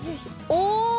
お！